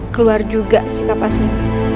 keluar juga sikap aslinya